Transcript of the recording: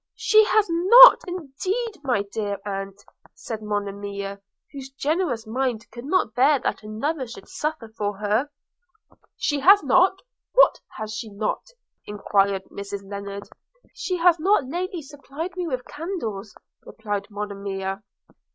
'She has not indeed, my dear aunt,' said Monimia, whose generous mind could not bear that another should suffer for her. 'She has not! – what has she not?' enquired Mrs Lennard. 'She has not lately supplied me with candles,' replied Monimia.